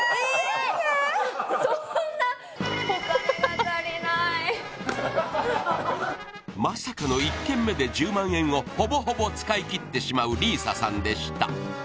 そんなまさかの１軒目で１０万円をほぼほぼ使い切ってしまう里依紗さんでした